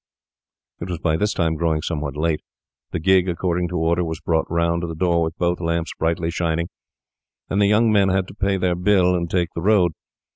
It was by this time growing somewhat late. The gig, according to order, was brought round to the door with both lamps brightly shining, and the young men had to pay their bill and take the road.